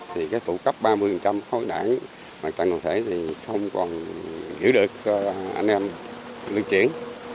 thì cái tụ cấp ba mươi khối đảng mà trận nội thể thì không còn hiểu được anh em luân chuyển